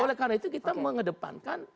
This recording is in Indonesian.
oleh karena itu kita mengedepankan